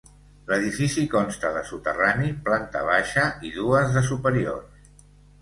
L'edifici consta de soterrani, planta baixa i dues de superiors.